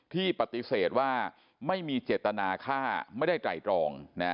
ที่ปฏิเสธว่าไม่มีเจตนาฆ่าไม่ได้ไตรตรอง